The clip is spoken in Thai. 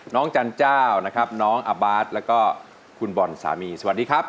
จันเจ้านะครับน้องอาบาทแล้วก็คุณบอลสามีสวัสดีครับ